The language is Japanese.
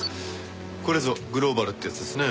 これぞグローバルってやつですね。